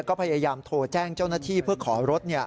ก็พยายามโทรแจ้งเจ้าหน้าที่เพื่อขอรถ